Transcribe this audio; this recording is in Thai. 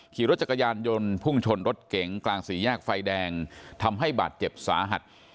ขี่รถจักรยานยนต์พุ่งชนรถเก๋งกลางสี่แยกไฟแดงทำให้บาดเจ็บสาหัส